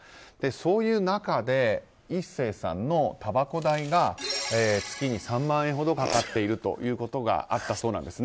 そういう中で壱成さんのたばこ代が月に３万円ほどかかっているということがあったそうなんです。